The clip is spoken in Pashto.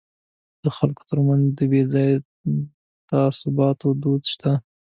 د خلکو ترمنځ د بې ځایه تعصباتو دود شته.